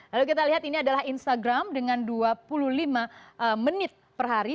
lalu kita lihat ini adalah instagram dengan dua puluh lima menit per hari